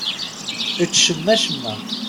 Ečč cemma-cemma.